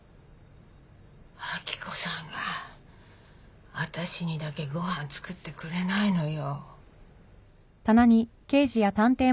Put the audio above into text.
明子さんが私にだけご飯作ってくれないのよ。